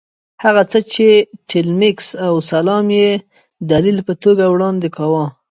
هغه څه چې ټیلمکس او سلایم یې دلیل په توګه وړاندې کاوه.